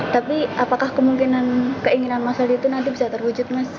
tapi apakah kemungkinan keinginan mas adi itu nanti bisa terwujud mas